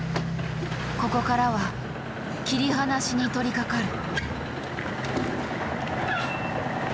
ここからは切り離しに取りかかる。